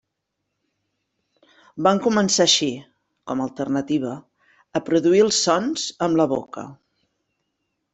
Van començar així, com a alternativa, a produir els sons amb la boca.